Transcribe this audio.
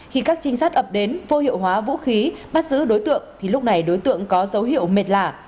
khi các trinh sát ập đến vô hiệu hóa vũ khí bắt giữ đối tượng thì lúc này đối tượng có dấu hiệu mệt lạ